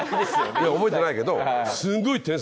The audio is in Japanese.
いや覚えてないけど。